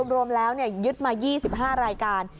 รวมแล้วยึดมา๒๕รายการ